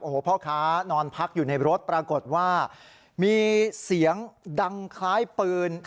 โอ้โหพ่อค้านอนพักอยู่ในรถปรากฏว่ามีเสียงดังคล้ายปืน